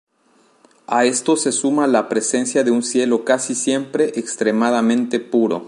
A esto se suma la presencia de un cielo casi siempre extremadamente puro.